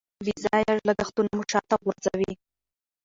بې ځایه لګښتونه مو شاته غورځوي.